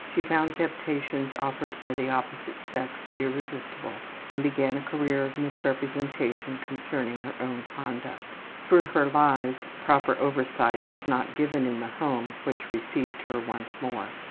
She found temptations offered by the opposite sex irresistible and began a career of misrepresentation concerning her own conduct. Through her lies, proper oversight was not given in the home which received her once more.